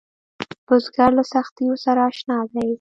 بزګر له سختیو سره اشنا دی